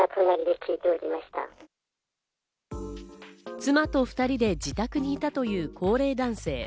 妻と２人で自宅にいたという高齢男性。